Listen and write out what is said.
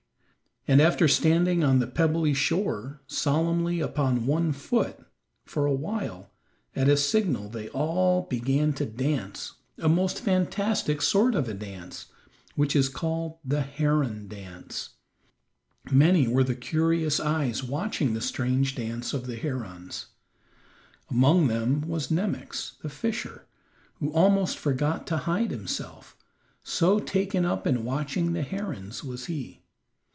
And after standing on the pebbly shore solemnly upon one foot, for a while, at a signal they all began to dance a most fantastic sort of a dance, which is called "the heron dance." Many were the curious eyes watching the strange dance of the herons. Among them was Nemox, the fisher, who almost forgot to hide himself, so taken up in watching the herons was he.